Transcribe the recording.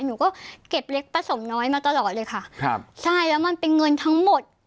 หนูก็เก็บเล็กผสมน้อยมาตลอดเลยค่ะครับใช่แล้วมันเป็นเงินทั้งหมด